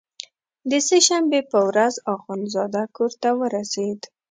د سې شنبې په ورځ اخندزاده کورته ورسېد.